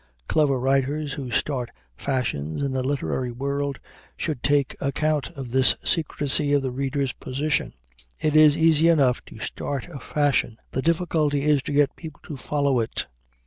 Clever writers who start fashions in the literary world should take account of this secrecy of the reader's position. It is easy enough to start a fashion, the difficulty is to get people to follow it.